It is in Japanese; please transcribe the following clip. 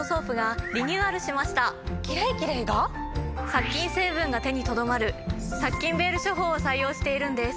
殺菌成分が手にとどまる殺菌ベール処方を採用しているんです。